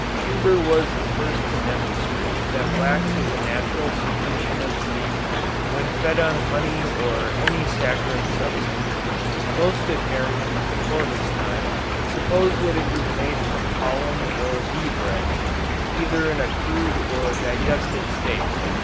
_ Huber was the first to demonstrate that wax is a natural secretion of the bee, when fed on honey or any saccharine substance. Most Apiarians before his time, supposed that it was made from pollen or bee bread, either in a crude or digested state.